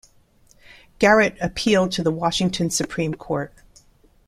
Garratt appealed to the Washington Supreme Court.